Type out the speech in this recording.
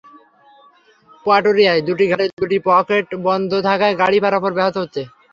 পাটুরিয়ায় দুটি ঘাটের দুটি পকেট বন্ধ থাকায় গাড়ি পারাপার ব্যাহত হচ্ছে।